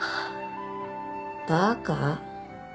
バカ？